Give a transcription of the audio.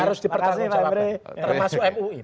dan semua pekerjaan harus dipertanggung jawab